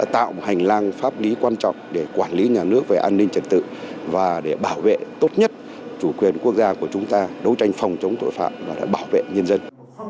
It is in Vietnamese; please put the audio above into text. tạo một hành lang pháp lý quan trọng để quản lý nhà nước về an ninh trật tự và để bảo vệ tốt nhất chủ quyền quốc gia của chúng ta đấu tranh phòng chống tội phạm và bảo vệ nhân dân